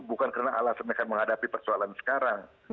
bukan karena alasan mereka menghadapi persoalan sekarang